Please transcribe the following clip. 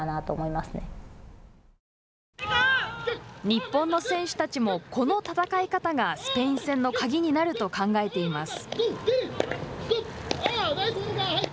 日本の選手たちもこの戦い方がスペイン戦の鍵になると考えています。